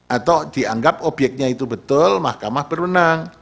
atau dianggap obyeknya itu betul mahkamah berwenang